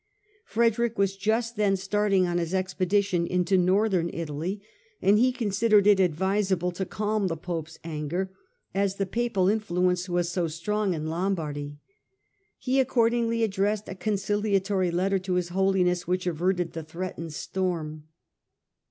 Frederick was just then starting on his expedition into Northern Italy, and he considered it advisable to calm the Pope's anger, as the Papal influence was so strong in Lombardy. He accordingly addressed a conciliatory letter to His Holiness which averted the threatened storm.